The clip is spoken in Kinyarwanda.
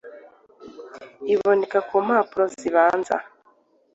iboneka ku mpapuro zibanza